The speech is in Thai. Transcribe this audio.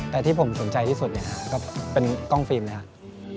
แต่ที่ผมสนใจที่สุดเนี่ยก็เป็นกล้องฟิล์มนะครับ